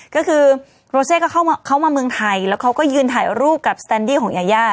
ก็คือโรเซก็เข้ามาเมืองไทยแล้วเขาก็ยืนถ่ายรูปกับสแตนดี้ของยายา